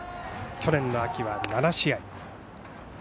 去年の秋は７試合。